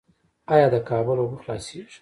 آیا د کابل اوبه خلاصیږي؟